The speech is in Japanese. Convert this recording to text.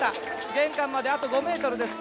玄関まであと５メートルです